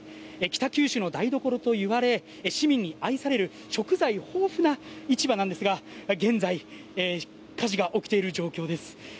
北九州の台所といわれ市民に愛される食材豊富な市場なんですが現在火事が起きている状況です。